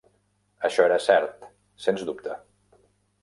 Això era cert, sens dubte.